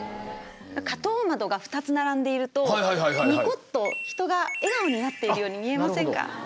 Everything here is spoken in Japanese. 花頭窓が２つ並んでいるとにこっと人が笑顔になっているように見えませんか。